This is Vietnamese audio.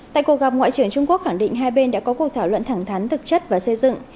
tại cuộc gặp ngoại trưởng trung quốc khẳng định hai bên đã có cuộc thảo luận thẳng thắn thực chất và xây dựng